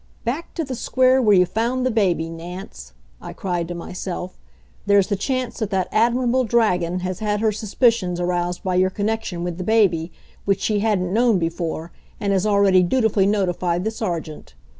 "Back to the Square where you found the baby, Nance!" I cried to myself. "There's the chance that that admirable dragon has had her suspicions aroused by your connection with the baby, which she hadn't known before, and has already dutifully notified the Sergeant.